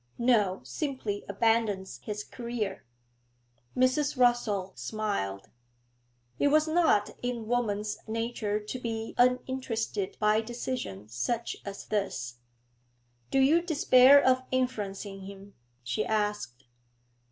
'No, simply abandons his career.' Mrs. Rossall smiled. It was not in woman's nature to be uninterested by decision such as this. 'Do you despair of influencing him?' she asked.